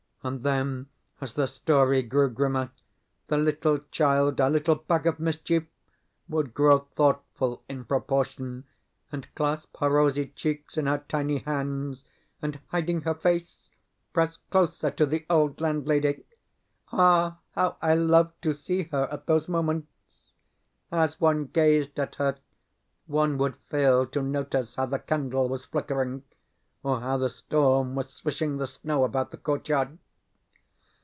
And then, as the story grew grimmer, the little child, our little bag of mischief, would grow thoughtful in proportion, and clasp her rosy cheeks in her tiny hands, and, hiding her face, press closer to the old landlady. Ah, how I loved to see her at those moments! As one gazed at her one would fail to notice how the candle was flickering, or how the storm was swishing the snow about the courtyard.